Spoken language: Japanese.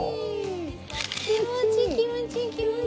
気持ちいい気持ちいい気持ちいい。